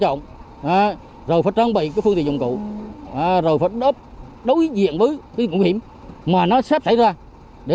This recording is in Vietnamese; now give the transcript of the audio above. trọng rồi phải trang bị phương tiện dụng cụ rồi phải đối diện với nguy hiểm mà nó xếp xảy ra để